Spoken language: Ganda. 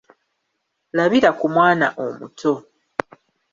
Labira ku mwana omuto.